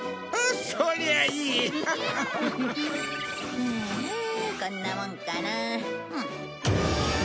ふうこんなもんかな。